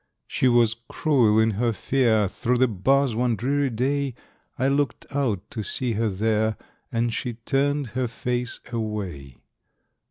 She was cruel in her fear; Through the bars one dreary day, I looked out to see her there, And she turned her face away!